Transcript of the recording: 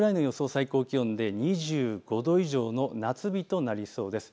最高気温で２５度以上の夏日となりそうです。